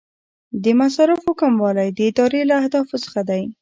د مصارفو کموالی د ادارې له اهدافو څخه دی.